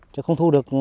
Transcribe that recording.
chứ không thu được